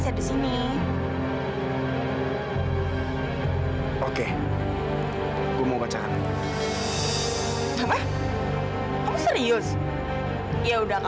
haris enggak berminat